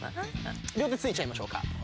両手ついちゃいましょうか。